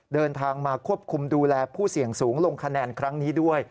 เดินทางมาควบคุมดูแลผู้เสี่ยงสูงลงคะแนนครั้งนี้ด้วย